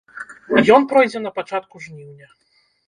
Ён пройдзе на пачатку жніўня.